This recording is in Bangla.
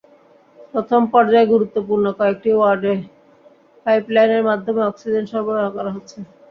প্রথম পর্যায়ে গুরুত্বপূর্ণ কয়েকটি ওয়ার্ডে পাইপলাইনের মাধ্যমে অক্সিজেন সরবরাহ করা হচ্ছে।